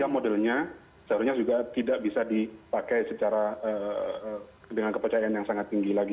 tiga modelnya seharusnya juga tidak bisa dipakai dengan kepercayaan yang sangat tinggi lagi